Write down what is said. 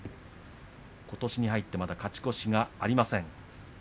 ことしに入ってまだ勝ち越しがありません。